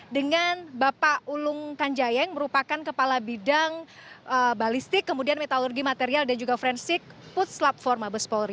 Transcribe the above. dengan bapak ulung kanjayeng merupakan kepala bidang balistik kemudian metalurgi material dan juga frensik putslav empat mabes polri